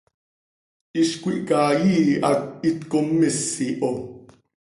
Hiz cöiihca íi hac itcommís iho.